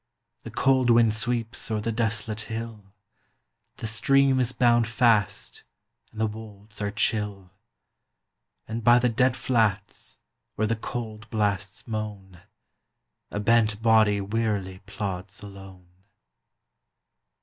The cold wind sweeps o'er the desolate hill, The stream is bound fast and the wolds are chill; And by the dead flats, where the cold blasts moan, A bent body wearily plods alone.